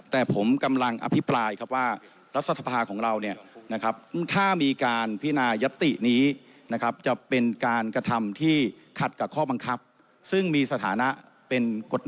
แต่ผมกำลังอภิปรายครับว่ารัฐสภาของเราเนี่ยนะครับถ้ามีการพินายัตตินี้นะครับจะเป็นการกระทำที่ขัดกับข้อบังคับซึ่งมีสถานะเป็นกฎ